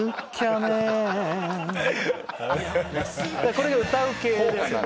これが歌う系ですよね。